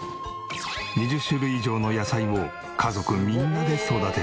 ２０種類以上の野菜を家族みんなで育てている。